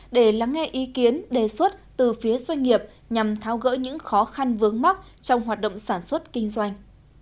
để lắng nghe ý kiến đề xuất từ phía doanh nghiệp nhằm thao gỡ những khó khăn vướng mắt trong hoạt động sản xuất kinh doanh